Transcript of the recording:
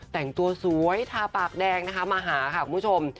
แต่งตัวสวยทาปากแดงนะคะมาหาค่ะคุณผู้ชม